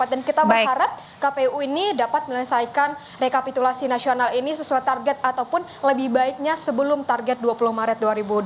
dan kita berharap kpu ini dapat menyelesaikan rekapitulasi nasional ini sesuai target ataupun lebih baiknya sebelum target dua puluh maret dua ribu dua puluh empat